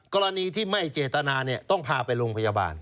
กรณีที่ไม่เจตนาต้องพาไปโรงพยาบาล